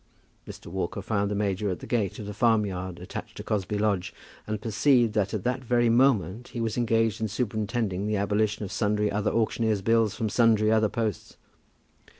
Mr. Walker found the major at the gate of the farmyard attached to Cosby Lodge, and perceived that at that very moment he was engaged in superintending the abolition of sundry other auctioneer's bills from sundry other posts.